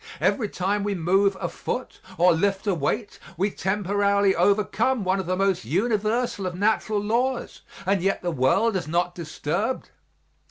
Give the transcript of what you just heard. Every time we move a foot or lift a weight we temporarily overcome one of the most universal of natural laws and yet the world is not disturbed.